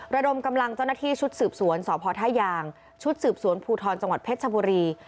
ระดมกำลังเจ้าหน้าที่ชุดสืบสวนสพท่ายางชุดสืบสวนภูทรจังหวัดเพชรชบุรี